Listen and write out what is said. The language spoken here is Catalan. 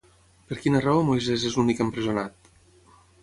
Per quina raó Moises és l'únic empresonat?